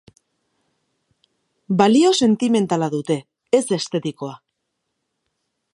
Balio sentimentala dute, ez estetikoa.